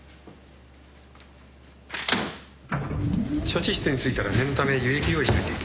処置室に着いたら念のため輸液用意しといて。